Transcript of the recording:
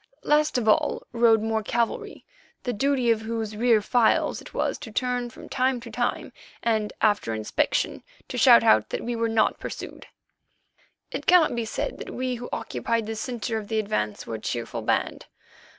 Last of all rode more cavalry, the duty of whose rear files it was to turn from time to time, and, after inspection, to shout out that we were not pursued. It cannot be said that we who occupied the centre of the advance were a cheerful band.